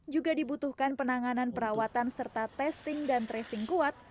juga dibutuhkan penanganan perawatan serta testing dan tracing kuat